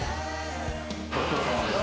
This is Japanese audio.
ごちそうさまでした。